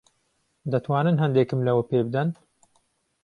دەتوانن ھەندێکم لەوە پێ بدەن؟